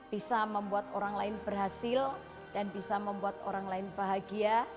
bisa membuat orang lain berhasil dan bisa membuat orang lain bahagia